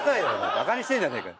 バカにしてんじゃねえか。